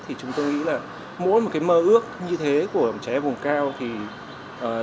thì chúng tôi nghĩ là mỗi một cái mơ ước như thế của trẻ em nguồn cao thì đều